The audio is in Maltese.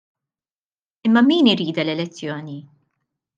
Imma min iridha l-elezzjoni?